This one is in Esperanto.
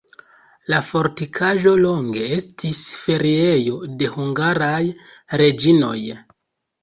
La fortikaĵo longe estis feriejo de hungaraj reĝinoj.